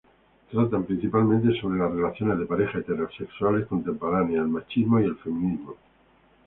Trata principalmente sobre las relaciones de pareja heterosexuales contemporáneas, el machismo y el feminismo.